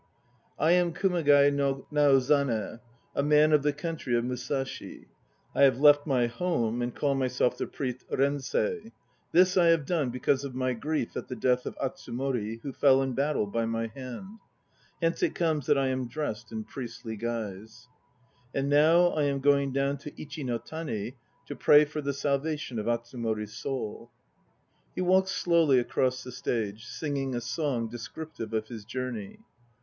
I am Kumagai no Naozane, a man of the country of Musashi. I have left my home and call myself the priest Rensei; this I have done because of my grief at the death of Atsumori, who fell in battle by my hand. Hence it comes that I am dressed in priestly guise And now I am going down to Ichi no Tani to pray for the salva tion of Atsumori's soul. (He walks slowly across the stage, singing a song descriptive of his journey.)